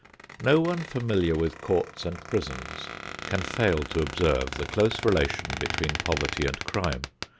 No one familiar with courts and prisons can fail to observe the close relation between poverty and crime.